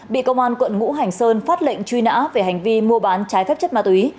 bị công an quận ngũ hành sơn phát lệnh truy nã về hành vi mua bán trái phép chất ma túy